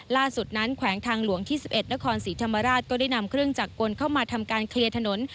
ล่าสุดนั้นแขวงทางหลวงที่๑๑นครศรีธรรมราชก็ได้นำเครื่องจักรกลเข้ามาทำการเคลียร์ถนน